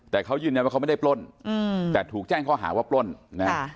แต่เขายืนยันว่าเขาไม่ได้ปล้นอืมแต่ถูกแจ้งข้อหาว่าปล้นนะฮะ